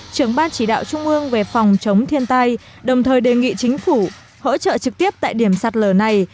trưởng ban chỉ đạo trung ương về phòng chống thiên tai đồng thời đề nghị chính phủ hỗ trợ trực tiếp tại điểm sạt lở này